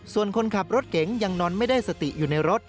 ส่วนคนขับรถเก๋งยังนอนไม่ได้สติอยู่ในรถ